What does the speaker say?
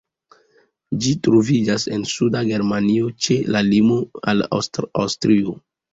Ĝi troviĝas en suda Germanio, ĉe la limo al Aŭstrio.